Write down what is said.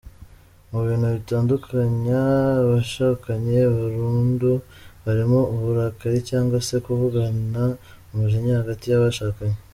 Mu bintu bitandukanya abashakanye burundu harimo uburakari cyangwa se kuvugana umujinya hagati y’abashakanye.